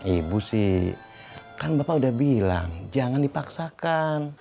ibu sih kan bapak udah bilang jangan dipaksakan